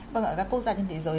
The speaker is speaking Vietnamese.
và quốc gia trên thế giới